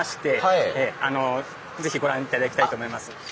是非ご覧頂きたいと思います。